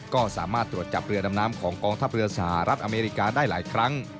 ก็สามารถตรวจจับเรือดำน้ำของกองทัพเรือสหรัฐอเมริกาได้หลายครั้ง